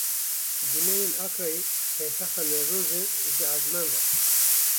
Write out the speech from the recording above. Dîmenên Akrêya Paytexta Newrozê ji esman ve.